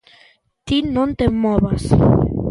Ti non te movas.